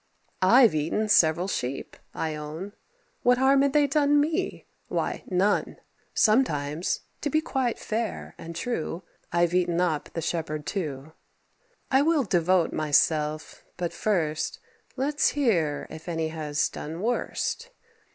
I've eaten several sheep, I own. What harm had they done me? why, none. Sometimes to be quite fair and true I've eaten up the shepherd too. I will devote myself; but, first, Let's hear if any has done worst.